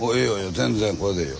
全然これでええよ。